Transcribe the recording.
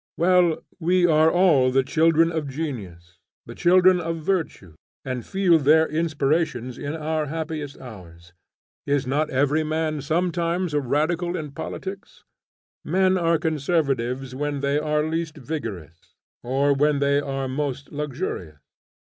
Well, we are all the children of genius, the children of virtue, and feel their inspirations in our happier hours. Is not every man sometimes a radical in politics? Men are conservatives when they are least vigorous, or when they are most luxurious.